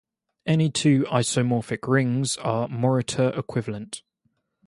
Any two isomorphic rings are Morita equivalent.